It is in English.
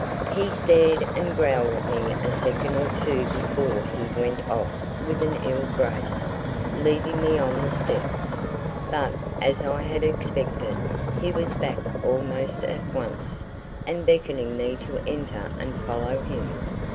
He stared and growled at me a second or two before he went off with an ill grace, leaving me on the steps. But, as I had expected, he was back almost at once, and beckoning me to enter and follow him.